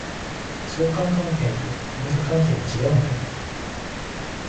相関関係と因果関係は違うんだよ